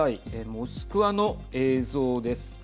モスクワの映像です。